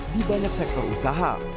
di banyak sektor usaha